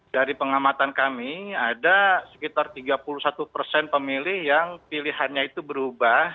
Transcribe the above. dari pengamatan kami ada sekitar tiga puluh satu persen pemilih yang pilihannya itu berubah